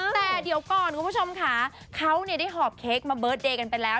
แต่เดี๋ยวก่อนคุณผู้ชมค่ะเขาได้หอบเค้กมาเบิร์ตเดย์กันไปแล้ว